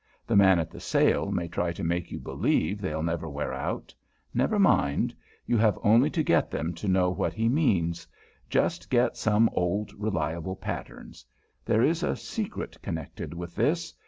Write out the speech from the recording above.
The man at the sale may try to make you believe they'll never wear out. Never mind. You have only to get them to know what he means. Just get some old, reliable patterns. There is a secret connected with this.